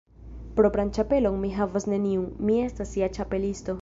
Propran ĉapelon mi havas neniun. Mi estas ja Ĉapelisto.